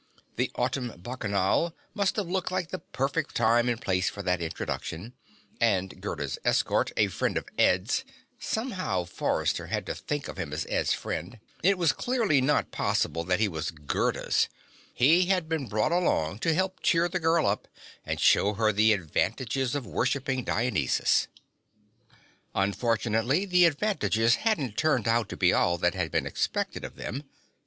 The Autumn Bacchanal must have looked like the perfect time and place for that introduction, and Gerda's escort, a friend of Ed's somehow Forrester had to think of him as Ed's friend; it was clearly not possible that he was Gerda's had been brought along to help cheer the girl up and show her the advantages of worshipping Dionysus. Unfortunately, the advantages hadn't turned out to be all that had been expected of them.